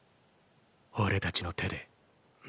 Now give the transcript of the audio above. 俺たちの手で。